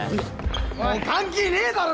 もう関係ねえだろ！